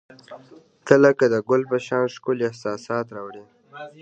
• ته لکه د ګل په شان ښکلي احساسات راوړي.